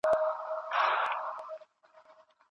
اسلام د پوهې او اخلاقو دين دی.